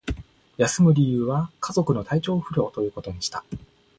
休む理由は、家族の体調不良ということにした